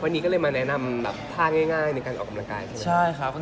วันนี้ก็เลยมาแนะนำท่าง่ายในการออกอุ้มนากายใช่ไหมครับ